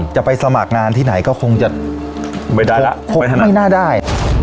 จะไปสมัครงานที่ไหนก็คงจะไม่ได้ละไม่น่าได้